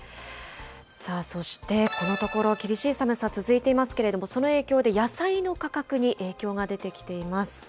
さあ、そして、このところ厳しい寒さ続いていますけれども、その影響で野菜の価格に影響が出てきています。